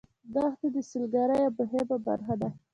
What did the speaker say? دښتې د سیلګرۍ یوه مهمه برخه ده.